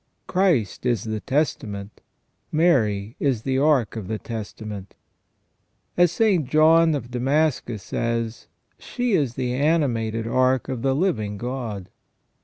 Christ is the testament ; Mary is the ark of the testament. As St. John of Damscus says :" She is the animated ark of the living God